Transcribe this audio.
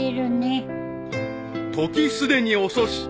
［時すでに遅し］